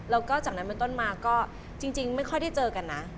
แล้วก็จากนั้นเป็นต้นมาก็จริงไม่ค่อยได้เจอกันนะ